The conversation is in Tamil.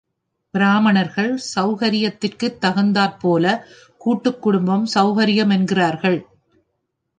பிராமணர்கள், சவுகரியத்திற்குத் தகுந்தாற்போலக் கூட்டுக் குடும்பம் சவுகரியமென்கிறார்கள்.